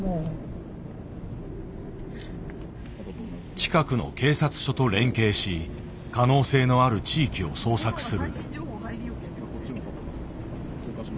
近くの警察署と連携し可能性のある地域を捜索する。